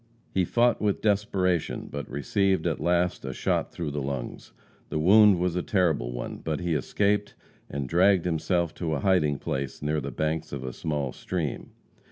He fought with desperation, but received, at last, a shot through the lungs. The wound was a terrible one, but he escaped, and dragged himself to a hiding place near the banks of a small stream.